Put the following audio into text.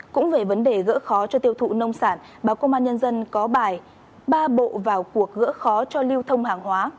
cũng về vấn đề gỡ khó cho tiêu thụ nông sản báo công an nhân dân có bài ba bộ vào cuộc gỡ khó cho lưu thông hàng hóa